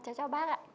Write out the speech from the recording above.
chào cháu bác ạ